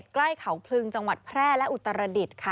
ใกล้เขาพลึงจังหวัดแพร่และอุตรดิษฐ์ค่ะ